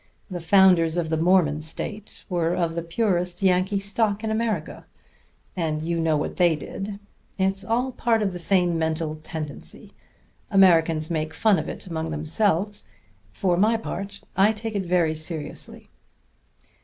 The founders of the Mormon state were of the purest Yankee stock in America; and you know what they did. It's all part of the same mental tendency. Americans make fun of it among themselves. For my part, I take it very seriously."